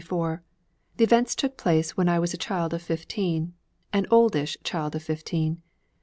The events in it took place when I was a child of fifteen, an oldish child of fifteen.